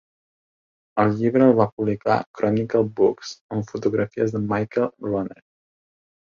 El llibre el va publicar Chronicle Books amb fotografies de Michael Rauner.